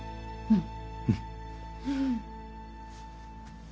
うん。